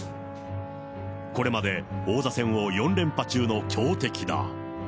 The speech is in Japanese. これまで王座戦を４連覇中の強敵だ。